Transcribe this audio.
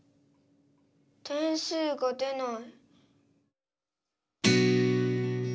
点数が出ない。